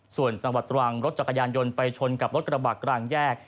ส่วนจังหวัดตรังรถจักรยานยนต์ไปชนกับรถกระบะกลางแยก